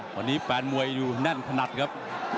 วันนี้แฟนมวยอยู่แน่นขนาดครับ